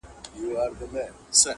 پاک اوسه، بې باک اوسه.